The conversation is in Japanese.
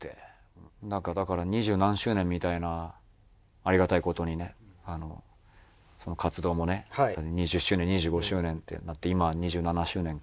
だから二十何周年みたいなありがたい事にね活動もね２０周年２５周年ってなって今は２７周年か。